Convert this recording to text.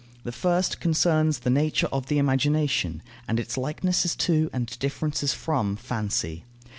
The first concerns the nature of the imagination, and its likenesses to and differences from fancy.